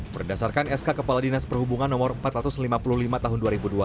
berdasarkan sk kepala dinas perhubungan no empat ratus lima puluh lima tahun dua ribu dua puluh